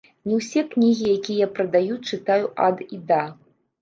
Не ўсе кнігі, якія я прадаю, чытаю ад і да.